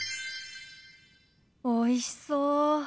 おいしそう。